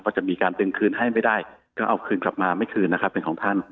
ก็จะมีการตึงคืนให้ไม่ได้ก็เอาคืนกลับมาไม่คืนนะครับเป็นของท่าน